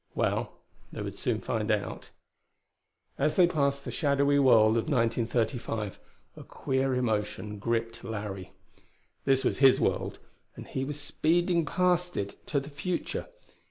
Well, they would soon find out.... As they passed the shadowy world of 1935, a queer emotion gripped Larry. This was his world, and he was speeding past it to the future.